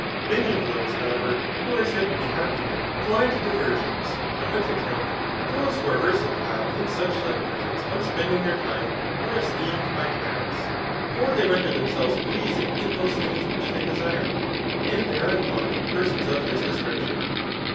Many of those, however, who are said to be happy men, fly to diversions ; on which account those who are versa tile in such like methods of spending their time are es teemed by tyrants. For they render themselves pleasing in those things which they desire ; and they are in want of persons of this descripdon.